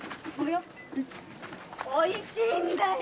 おいしいんだよ